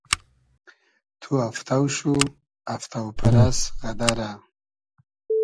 تو افتۆ شو , افتۆ پئرئس غئدئرۂ